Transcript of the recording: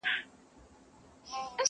چي ملا شکرانه واخلي تاثیر ولاړ سي.